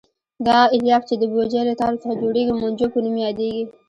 دا الیاف چې د بوجۍ له تارو څخه جوړېږي مونجو په نوم یادیږي.